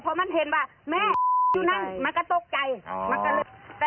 เพราะมันเห็นว่าแม่อยู่นั่นมันกันตกใจ